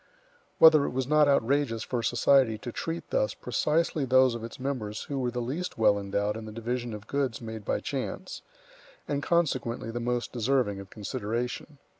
Whether it was not outrageous for society to treat thus precisely those of its members who were the least well endowed in the division of goods made by chance, and consequently the most deserving of consideration.